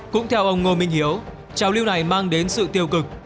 cũng theo ông ngô minh hiếu trào lưu này mang đến sự tiêu cực